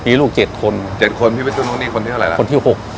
มีลูกเจ็ดคนเจ็ดคนพี่วิทยุนุกนี่คนที่เท่าไรละคนที่หก